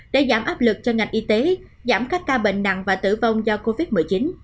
để giảm áp lực cho ngành y tế giảm các ca bệnh nặng và tử vong do covid một mươi chín